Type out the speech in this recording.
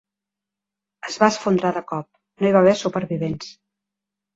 Es va esfondrar de cop; no hi va haver supervivents.